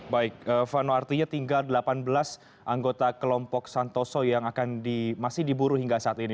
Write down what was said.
baik vano artinya tinggal delapan belas anggota kelompok santoso yang masih diburu hingga saat ini